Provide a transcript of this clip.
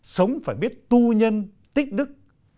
sống phải biết tu nhân tích đức